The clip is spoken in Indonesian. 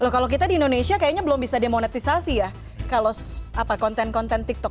kalau kita di indonesia kayaknya belum bisa dimonetisasi ya kalau konten konten tiktok